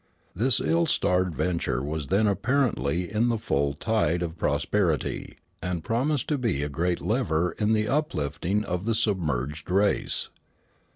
This ill starred venture was then apparently in the full tide of prosperity, and promised to be a great lever in the uplifting of the submerged race.